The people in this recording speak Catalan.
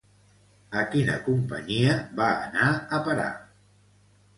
A quina companyia va anar a parar?